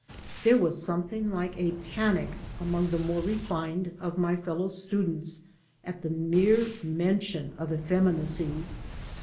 There was something like a panic among the more refined of my fellow students at the mere mention of effeminacy.